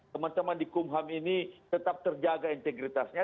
teman teman di kumham ini tetap terjaga integritasnya